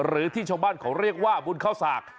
หรือที่ชาวบ้านเขาเรียกว่าบุญเข้าสาก